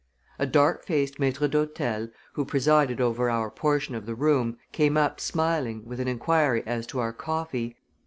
A dark faced maître d'hôtel, who presided over our portion of the room, came up smiling, with an inquiry as to our coffee.